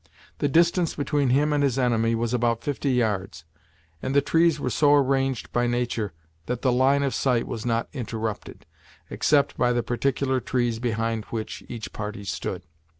The distance between him and his enemy was about fifty yards, and the trees were so arranged by nature that the line of sight was not interrupted, except by the particular trees behind which each party stood.